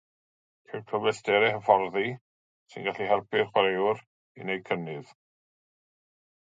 Ceir cyfleusterau hyfforddi sy'n gallu helpu'r chwaraewr i wneud cynnydd.